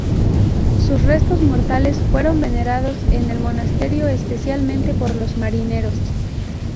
Sus restos mortales fueron venerados en el monasterio, especialmente por los marineros.